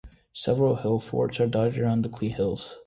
Several hill forts are dotted around the Clee Hills.